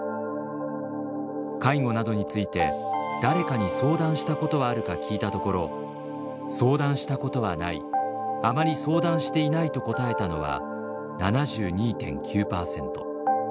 介護などについて誰かに相談したことはあるか聞いたところ「相談したことはない」「あまり相談していない」と答えたのは７２．９％。